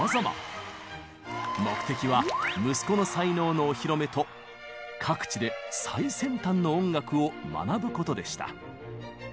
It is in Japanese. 目的は息子の才能のお披露目と各地で最先端の音楽を学ぶことでした。